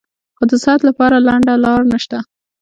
خو د صحت له پاره لنډه لار نشته -